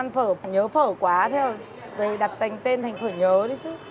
ăn phở nhớ phở quá thế rồi đặt tên thành phở nhớ đấy chứ